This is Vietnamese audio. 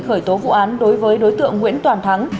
khởi tố vụ án đối với đối tượng nguyễn toàn thắng